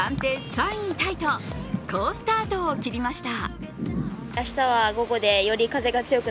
３位タイと好スタートを切りました。